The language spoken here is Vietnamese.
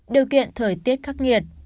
điều kiện thời tiết khắc nghiệt